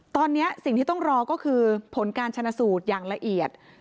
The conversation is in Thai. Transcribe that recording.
ตอนนี้สิ่งที่ต้องรอก็คือผลการชนะสูตรอย่างละเอียด